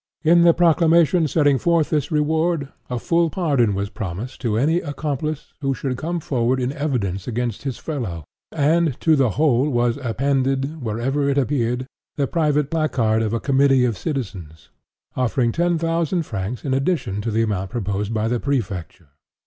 In the proclamation setting forth this reward, a full pardon was promised to any accomplice who should come forward in evidence against his fellow; and to the whole was appended, wherever it appeared, the private placard of a committee of citizens, offering ten thousand francs, in addition to the amount proposed by the Prefecture.